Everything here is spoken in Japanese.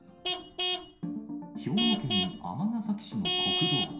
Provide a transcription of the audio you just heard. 兵庫県尼崎市の国道。